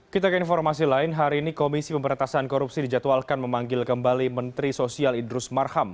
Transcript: kita ke informasi lain hari ini komisi pemberantasan korupsi dijadwalkan memanggil kembali menteri sosial idrus marham